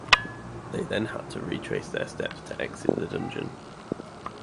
They then had to retrace their steps to exit the dungeon.